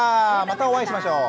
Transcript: またお会いしましょう。